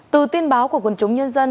từ tin báo của quân chúng nhân dân